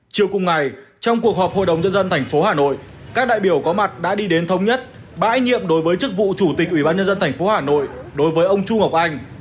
chiều cùng ngày trong cuộc họp hội đồng nhân dân tp hà nội các đại biểu có mặt đã đi đến thống nhất bãi nhiệm đối với chức vụ chủ tịch ủy ban nhân dân tp hà nội đối với ông chu ngọc anh